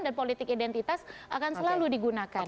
dan politik identitas akan selalu digunakan